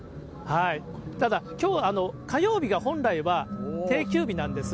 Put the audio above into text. ただ、きょう、火曜日は本来は定休日なんです。